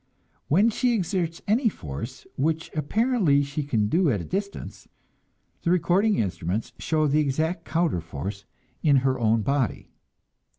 When she exerts any force, which apparently she can do at a distance, the recording instruments show the exact counter force in her own body.